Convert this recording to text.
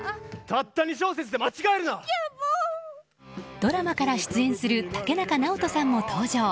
ドラマから出演する竹中直人さんも登場。